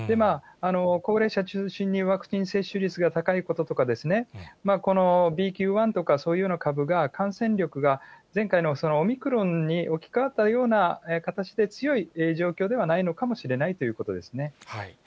高齢者中心にワクチン接種率が高いこととか、このＢＱ．１とかそういう株が感染力が前回のオミクロンに置き換わったような形で強い状況ではないのかもしれないということです